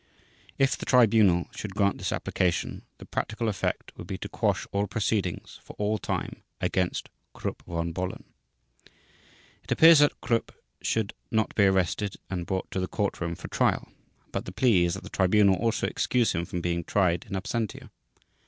If the Tribunal should grant this application, the practical effect would be to quash all proceedings, for all time, against Krupp von Bohlen. It appears that Krupp should not be arrested and brought to the court room for trial. But the plea is that the Tribunal also excuse him from being tried in absentia.